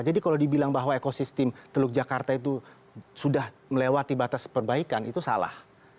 jadi kalau dibilang bahwa ekosistem teluk jakarta itu sudah melewati batas perbaikan itu salah